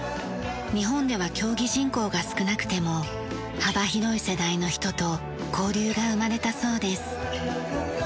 日本では競技人口が少なくても幅広い世代の人と交流が生まれたそうです。